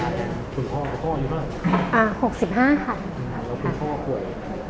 แล้วคุณพ่อควร